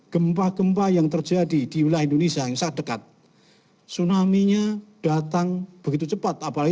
gempa gempa yang terjadi di wilayah indonesia yang dekat sunaminya datang begitu cepat apalagi